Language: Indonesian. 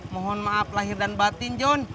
mohon maaf lahir dan batin john